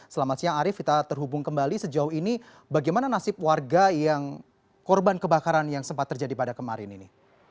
selamat siang arief kita terhubung kembali sejauh ini bagaimana nasib warga yang korban kebakaran yang sempat terjadi pada kemarin ini